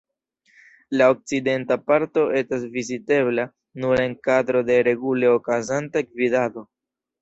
La okcidenta parto etas vizitebla nur en kadro de regule okazanta gvidado.